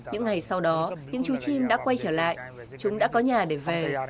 những ngày sau đó những chú chim đã quay trở lại chúng đã có nhà để về